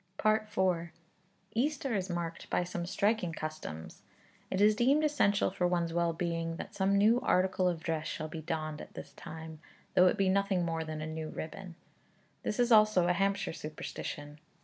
IV. Easter is marked by some striking customs. It is deemed essential for one's well being that some new article of dress shall be donned at this time, though it be nothing more than a new ribbon. This is also a Hampshire superstition.